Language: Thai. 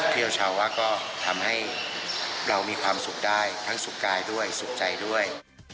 เที่ยวชาวว่าก็ทำให้เรามีความสุขได้ทั้งสุขกายด้วยสุขใจด้วย